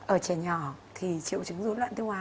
ở trẻ nhỏ thì triệu chứng dối loạn tiêu hóa